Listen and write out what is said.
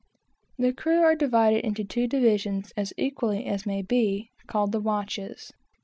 The crew are divided into two divisions, as equally as may be, called the watches.